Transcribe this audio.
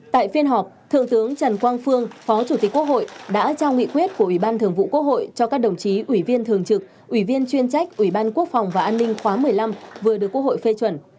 tại phiên họp thượng tướng trần quang phương phó chủ tịch quốc hội đã trao nghị quyết của ủy ban thường vụ quốc hội cho các đồng chí ủy viên thường trực ủy viên chuyên trách ủy ban quốc phòng và an ninh khóa một mươi năm vừa được quốc hội phê chuẩn